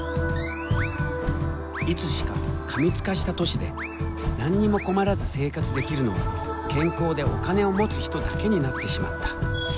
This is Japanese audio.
いつしか過密化した都市で何にも困らず生活できるのは健康でお金を持つ人だけになってしまった。